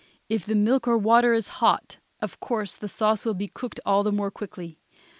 If the milk or water is hot, of course the sauce will be cooked all the more quickly.